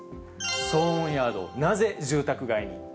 騒音ヤード、なぜ住宅街に。